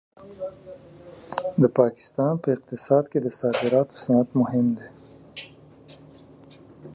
د پاکستان په اقتصاد کې د صادراتو صنعت مهم دی.